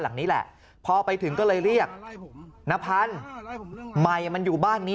หลังนี้แหละพอไปถึงก็เลยเรียกนพันธุ์ใหม่มันอยู่บ้านนี้